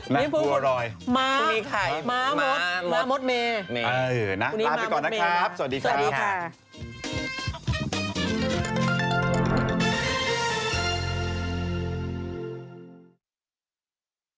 นี่พรุ่งนี้มามดเมย์นะตามไปก่อนนะครับสวัสดีครับสวัสดีค่ะ